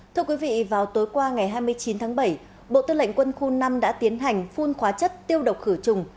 thưa quý vị vào tối qua ngày hai mươi chín tháng bảy bộ tư lệnh quân khu năm đã tiến hành phun hóa chất tiêu độc khử trùng